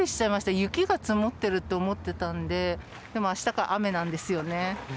雪が積もっていると思っていたんででもあしたから雨なんですよね。